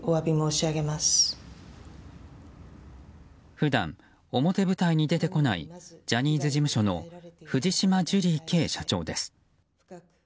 普段、表舞台に出てこないジャニーズ事務所の藤島ジュリーＫ．社長です。